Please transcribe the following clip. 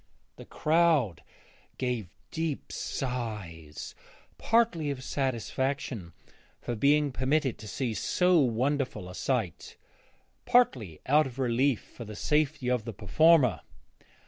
The crowd gave deep sighs, partly of satisfaction for being permitted to see so wonderful a sight, partly out of relief for the safety of the performer.